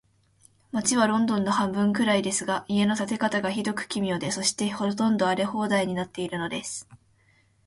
街はロンドンの半分くらいですが、家の建て方が、ひどく奇妙で、そして、ほとんど荒れ放題になっているのです。